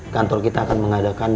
kantor kita akan mengadakan